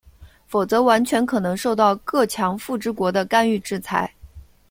否则完全可能受到各强富之国的干预制裁。